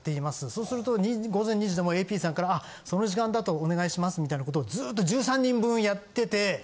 そうすると午前２時でもＡＰさんから「その時間だとお願いします」みたいなことをずっと１３人分やってて。